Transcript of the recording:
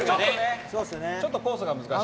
ちょっとコースが難しい。